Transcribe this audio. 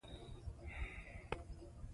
افغانستان د نورستان له امله شهرت لري.